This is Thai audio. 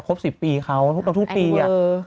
ครบ๑๐ปีเค้าหยุดปีอะ